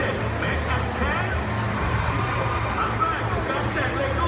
วันนี้ก็เป็นปีนี้